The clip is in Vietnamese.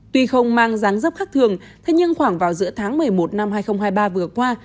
tuy không mang gián dốc khắc thường thế nhưng khoảng vào giữa tháng một mươi một năm hai nghìn hai mươi ba vừa qua